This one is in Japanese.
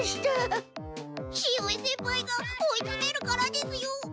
潮江先輩が追いつめるからですよ。